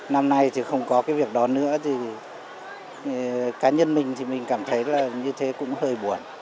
năm nay thì không có cái việc đó nữa thì cá nhân mình thì mình cảm thấy là như thế cũng hơi buồn